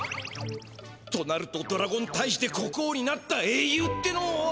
となるとドラゴンたいじで国王になったえいゆうってのは。